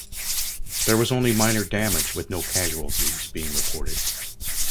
There was only minor damage with no casualties being reported.